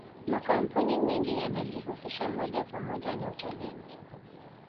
makampuni mengi yanajihusisha moja kwa moja na utalii